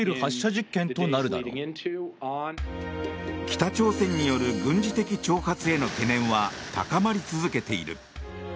北朝鮮による軍事的挑発への懸念は高まり続けている。